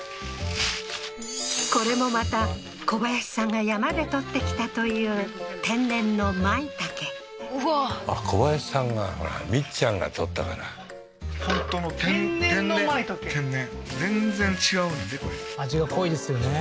これもまた小林さんが山で採ってきたという天然の舞茸うわ小林さんがほらみっちゃんが採ったから天然の舞茸天然味が濃いですよね